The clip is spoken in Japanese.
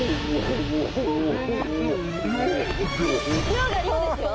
量が量ですよ。